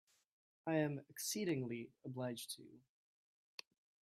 I am exceedingly obliged to you.